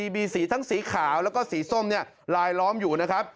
มีสีทั้งสีขาวแล้วก็สีส้มลายล้อมอยู่นะครับ